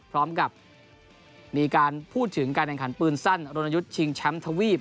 พร้อมกับมีการพูดถึงการแข่งขันปืนสั้นรณยุทธ์ชิงแชมป์ทวีป